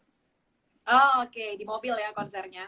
oh oke di mobil ya konsernya